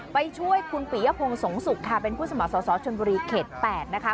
ไปช่วยคุณปียพงศ์สงสุกค่ะเป็นผู้สม่อสาวชนบุรีเข็ด๘นะคะ